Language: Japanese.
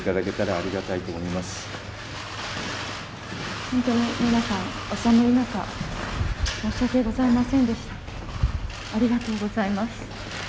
ありがとうございます。